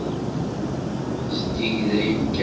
Zeddig dayen kan.